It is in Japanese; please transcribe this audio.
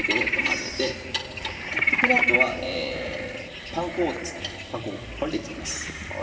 このあとはパン粉を入れていきます。